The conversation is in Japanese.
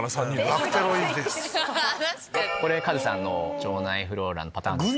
これカズさんの腸内フローラのパターンです。